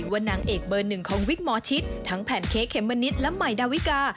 นางเอกเบอร์หนึ่งของวิกหมอชิดทั้งแผนเค้กเมมะนิดและใหม่ดาวิกา